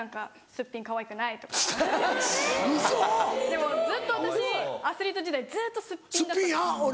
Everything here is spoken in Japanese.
でもずっと私アスリート時代ずっとすっぴんだったんです。